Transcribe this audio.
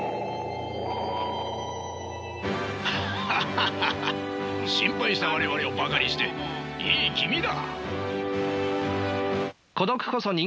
ハハハハ心配した我々をバカにしていい気味だ。